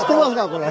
これ。